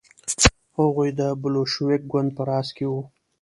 هغوی د بلشویک ګوند په راس کې وو.